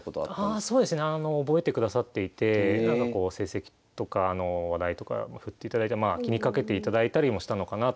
ああそうですね覚えてくださっていて成績とか話題とか振っていただいて気にかけていただいたりもしたのかなとは思いましたけど